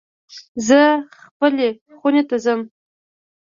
زه خپلی خونی ته ځم